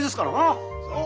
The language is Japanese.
そう。